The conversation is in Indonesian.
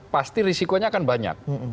pasti risikonya akan banyak